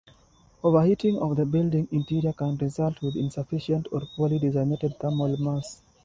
Overheating of the building interior can result with insufficient or poorly designed thermal mass.